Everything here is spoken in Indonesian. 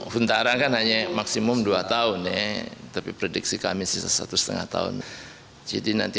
huntara kan hanya maksimum dua tahun tapi prediksi kami sisa satu setengah tahun jadi nanti